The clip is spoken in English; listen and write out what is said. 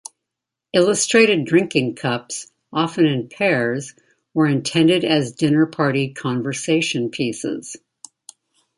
Illustrated drinking cups, often in pairs, were intended as dinner-party conversation pieces.